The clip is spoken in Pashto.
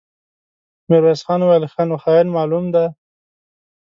ميرويس خان وويل: ښه نو، خاين معلوم دی.